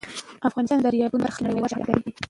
افغانستان د دریابونه په برخه کې نړیوال شهرت لري.